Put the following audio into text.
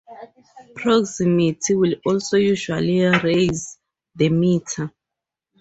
Proximity will also usually raise the meter.